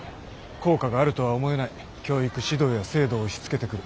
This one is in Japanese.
効果があるとは思えない教育指導や制度を押しつけてくる。